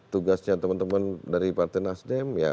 tugasnya teman teman dari partai nasdem ya